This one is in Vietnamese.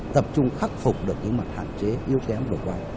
tập trung khắc phục được những mặt hạn chế yếu kém bầu quang